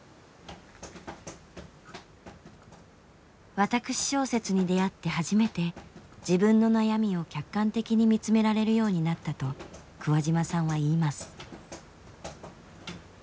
私小説に出会って初めて自分の悩みを客観的に見つめられるようになったと桑島さんは言います。